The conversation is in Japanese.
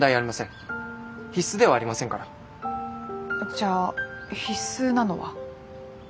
じゃあ必須なのは？